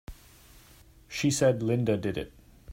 She said Linda did it!